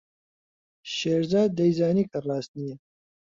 شێرزاد دەیزانی کە ڕاست نییە.